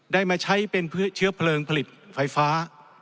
ได้มาใช้เป็นเชื้อเพลิงผลิตไฟฟ้า